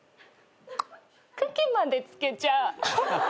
茎までつけちゃう。